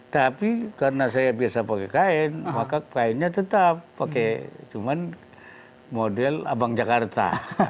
tapi karena saya biasa pakai kain maka kainnya tetap pakai cuma model abang jakarta